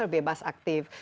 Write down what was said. lebih bebas aktif